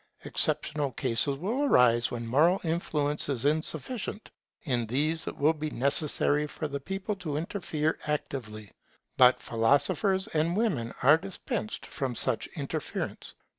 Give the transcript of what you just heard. Exceptional cases will arise when moral influence is insufficient: in these it will be necessary for the people to interfere actively. But philosophers and women are dispensed from such interference.